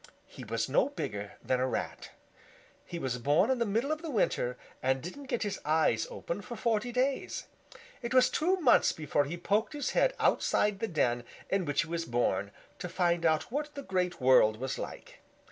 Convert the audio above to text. He was no bigger than a Rat. He was born in the middle of winter and didn't get his eyes open for forty days. It was two months before he poked his head outside the den in which he was born, to find out what the Great World was like.